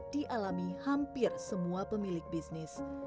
dialami hampir semua pemilik bisnis